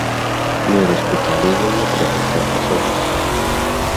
Мы распыталі ў яе пра гэта асабіста.